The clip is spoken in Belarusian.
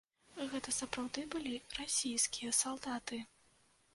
Гэта сапраўды былі расійскія салдаты?